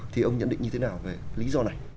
thì ông nhận định như thế nào về lý do này